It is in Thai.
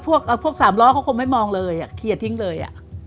พวกสามล้อเขาคงไม่มองเลยเคลียร์ทิ้งเลย